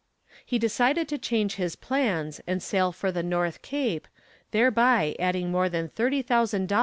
He decided to change his plans and sail for the North Cape, thereby adding more than $30,000 to his credit.